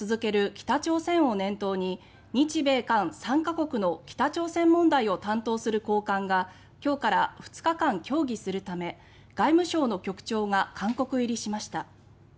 北朝鮮を念頭に日米韓３か国の北朝鮮問題を担当する高官が今日から２日間協議するため外務省の局長が韓国入りしました。